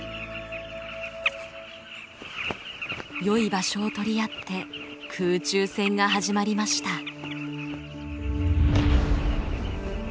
よい場所を取り合って空中戦が始まりました。